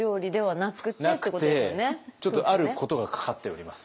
なくてちょっとあることがかかっております。